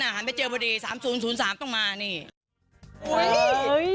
หันไปเจอพอดี๓๐๐๓ต้องมานี่